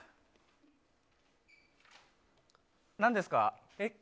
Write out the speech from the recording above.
何ですか？